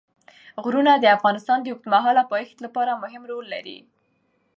غرونه د افغانستان د اوږدمهاله پایښت لپاره مهم رول لري.